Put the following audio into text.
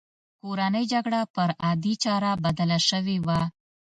کورنۍ جګړه پر عادي چاره بدله شوې وه.